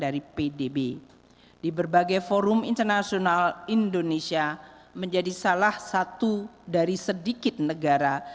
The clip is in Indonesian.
dari pdb di berbagai forum internasional indonesia menjadi salah satu dari sedikit negara